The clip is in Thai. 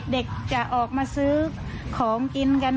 เด็กจะออกมาซื้อของกินกัน